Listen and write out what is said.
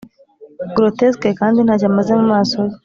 grotesque kandi ntacyo amaze mumaso ye,